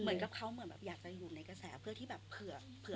เหมือนกับเขาอยากจะอยู่ในกระแสเพื่อที่เผื่อ